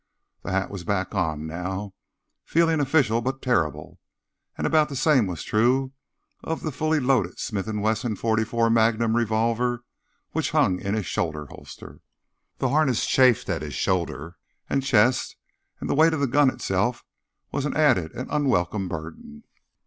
The hat was back on now, feeling official but terrible, and about the same was true of the fully loaded Smith & Wesson .44 Magnum revolver which hung in his shoulder holster. The harness chafed at his shoulder and chest and the weight of the gun itself was an added and unwelcome burden.